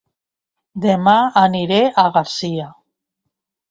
Dema aniré a Garcia